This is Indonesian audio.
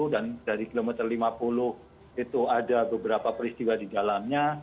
dan dari kilometer lima puluh itu ada beberapa peristiwa di jalannya